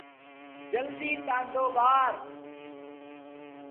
جلدي ٽآنڊو ٻآر۔